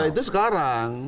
ya itu sekarang